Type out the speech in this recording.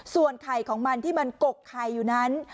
ส่วนไข่ของมันที่มันกกไข่อยู่นั้น